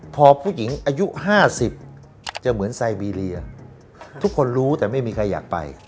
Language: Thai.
พอผู้หญิงอายุ๕๐จะเหมือนไซบีเรียทุกคนรู้แต่ไม่มีใครอยากไป